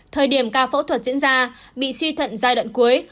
thời điểm ca phẫu thuật diễn ra bị suy thận giai đoạn cuối